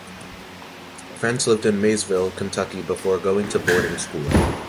Frantz lived in Maysville, Kentucky, before going to boarding school.